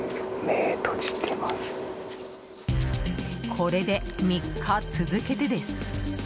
これで３日続けてです。